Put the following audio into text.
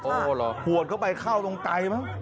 โอ้หรอหัวเข้าไปเข้าตรงใต้มั้ง